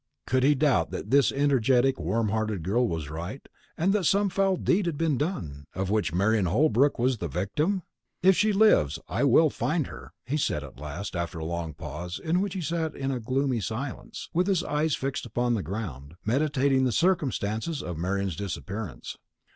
Could he doubt that this energetic warm hearted girl was right, and that some foul deed had been done, of which Marian Holbrook was the victim? "If she lives, I will find her," he said at last, after a long pause, in which he had sat in gloomy silence, with his eyes fixed upon the ground, meditating the circumstances of Marian's disappearance.